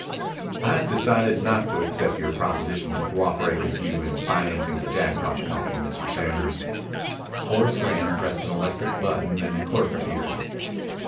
"I have decided not to accept your proposition to cooperate with you in financing the Jackpot Company, Mr. Sanders." Horace Graham pressed an electric button and a clerk appeared.